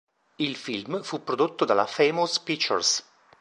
Il film fu prodotto dalla Famous Pictures.